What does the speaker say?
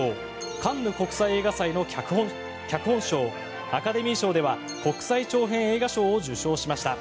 カンヌ国際映画祭の脚本賞アカデミー賞では国際長編映画賞を受賞しました。